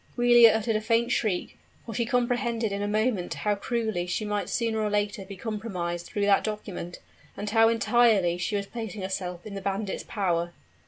Giulia uttered a faint shriek, for she comprehended in a moment how cruelly she might sooner or later be compromised through that document, and how entirely she was placing herself in the bandit's power.